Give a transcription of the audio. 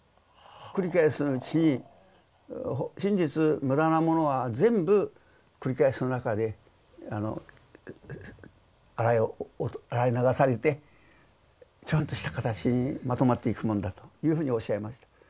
繰り返すうちに真実無駄なものは全部繰り返しの中で洗い流されてちゃんとした形にまとまっていくもんだというふうにおっしゃいました。